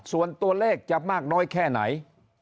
ส่วนตัวเลขจะมากน้อยแค่ไหน